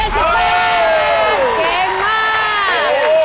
เก่งมาก